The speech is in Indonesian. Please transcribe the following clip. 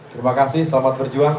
terima kasih selamat berjuang